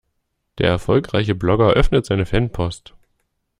Der erfolgreiche Blogger öffnet seine Fanpost.